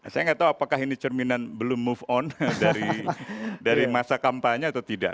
saya nggak tahu apakah ini cerminan belum move on dari masa kampanye atau tidak